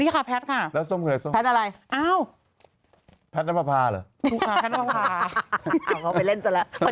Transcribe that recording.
ก็แต่งตัวเป็นแพตซ์ค่ะพูดเลยตรง